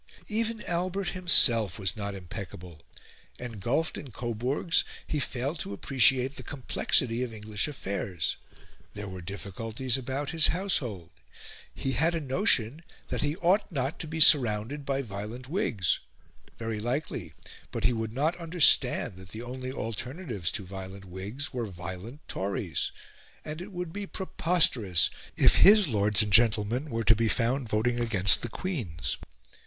Even Albert himself was not impeccable. Engulfed in Coburgs, he failed to appreciate the complexity of English affairs. There were difficulties about his household. He had a notion that he ought not to be surrounded by violent Whigs; very likely, but he would not understand that the only alternatives to violent Whigs were violent Tories; and it would be preposterous if his Lords and Gentlemen were to be found voting against the Queen's.